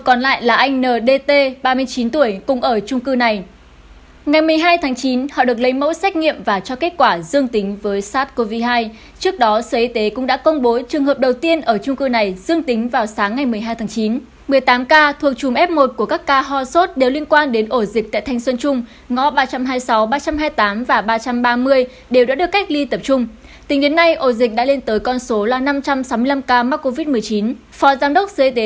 các bạn hãy đăng ký kênh để ủng hộ kênh của chúng mình nhé